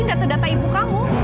ini gak terdata ibu kamu